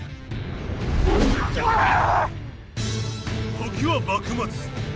時は幕末。